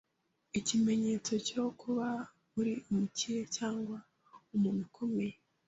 ikimenyetso cyo kuba uri umukire cyangwa umuntu ukomeye